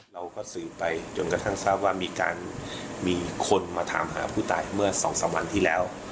เราก็สืบไปจนกระทั่งทราบว่ามีการมีคนมาถามหาผู้ตายเมื่อสองสามวันที่แล้ว